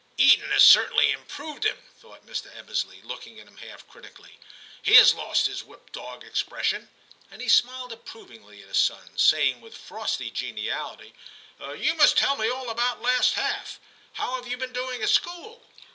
* Eton has certainly improved him,' thought Mr. Ebbesley, looking at him half critically ;* he has lost his whipped dog expression,' and he smiled approvingly at his son, saying with frosty geniality, * You must tell me all about last half; how have you been doing at school.'